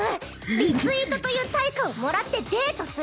リツイートという対価をもらってデートする。